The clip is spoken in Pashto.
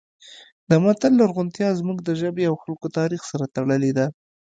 د متل لرغونتیا زموږ د ژبې او خلکو تاریخ سره تړلې ده